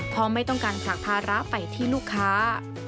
เพราะไม่ต้องการผลักภาระไปที่ลูกค้า